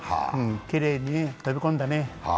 きれいに飛び込んだね。